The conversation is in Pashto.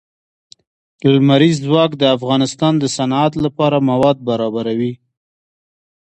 لمریز ځواک د افغانستان د صنعت لپاره مواد برابروي.